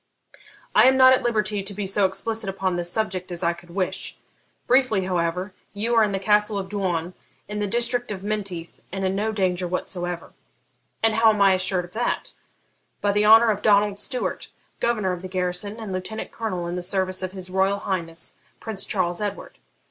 'I am not at liberty to be so explicit upon this subject as I could wish. Briefly, however, you are in the Castle of Doune, in the district of Menteith, and in no danger whatever.' 'And how am I assured of that?' 'By the honour of Donald Stewart, governor of the garrison, and lieutenant colonel in the service of his Royal Highness Prince Charles Edward.'